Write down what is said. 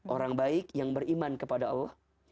orang baik yang beriman kepada allah